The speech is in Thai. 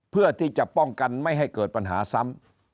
เพื่อที่จะป้องกันไม่ให้เกิดปัญหาซ้ำ